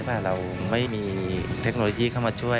ถ้าเราไม่มีเทคโนโลยีเข้ามาช่วย